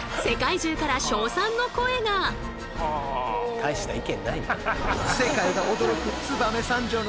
大した意見ないな。